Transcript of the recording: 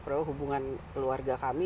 ke pak prabowo hubungan keluarga kami